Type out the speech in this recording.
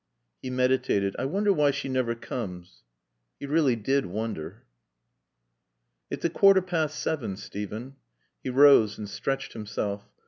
He meditated. "I wonder why she never comes." He really did wonder. "It's a quarter past seven, Steven." He rose and stretched himself.